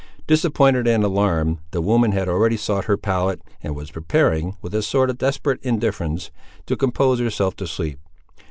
Disappointed and alarmed, the woman had already sought her pallet, and was preparing, with a sort of desperate indifference, to compose herself to sleep.